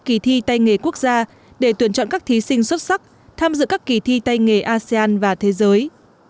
kỳ thi tay nghề quốc gia để tuyển chọn các thí sinh xuất sắc tham dự các kỳ thi tay nghề asean và thế giới